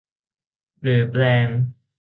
หรือแปรง